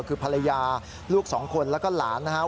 คือภรรยาลูกสองคนแล้วก็หลานนะครับ